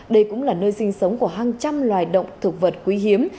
đây cũng là nơi sinh sống của hàng trăm loài động thực vật quý hiếm